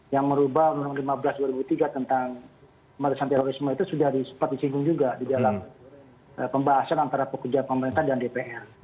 yang merubah undang undang lima belas dua ribu tiga tentang pemerintahan terorisme itu sudah sempat disinggung juga di dalam pembahasan antara pekerja pemerintah dan dpr